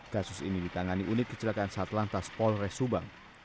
kasus ini ditangani unit kecelakaan satlantas polres subang